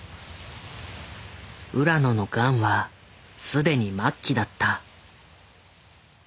浦野のガンは既に末期だった。